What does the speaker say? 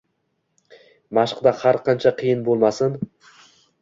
Mashqda har qancha qiyin bo’lmasin